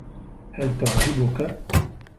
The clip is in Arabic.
هل تعجبك؟